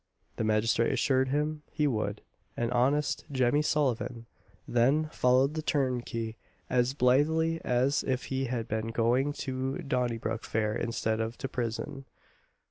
The magistrate assured him he would, and honest Jemmy Sullivan then followed the turnkey as blithely as if he had been going to Donnybrook Fair instead of to prison.